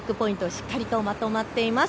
しっかりとまとまっています。